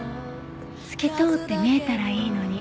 「透き通って見えたらいいのに」。